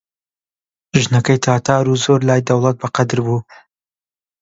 ژنەکەی تاتار و زۆر لای دەوڵەت بەقەدر بوو